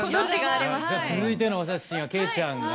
続いてのお写真は桂ちゃんが。